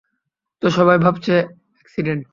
তো, সবাই ভাবছে অ্যাকসিডেন্ট।